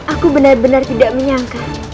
aku benar benar tidak menyangka